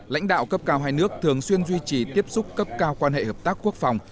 lãnh đạo cấp cao hai nước thường xuyên duy trì tiếp xúc cấp cao quan hệ hợp tác quốc phòng